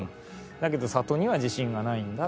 だけど里には地震がないんだと。